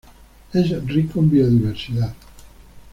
Es rico en biodiversidad.